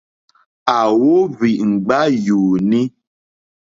À wóhwì ŋɡbá yùùní.